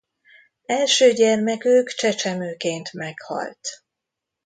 Első gyermekük csecsemőként meghalt.